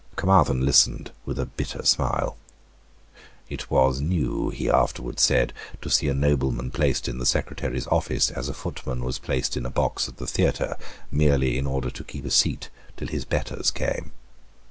Caermarthen listened with a bitter smile. It was new, he afterwards said, to see a nobleman placed in the Secretary's office, as a footman was placed in a box at the theatre, merely in order to keep a seat till his betters came.